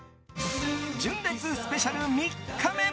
純烈スペシャル３日目。